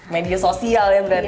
media sosial ya berarti